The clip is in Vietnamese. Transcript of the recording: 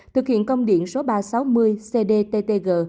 thực hiện công điện số ba trăm sáu mươi cdttg